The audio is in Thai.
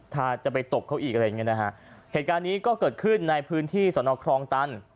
ถ้าจะไปตบเขาอีกอะไรอย่างเงี้นะฮะเหตุการณ์นี้ก็เกิดขึ้นในพื้นที่สนครองตัน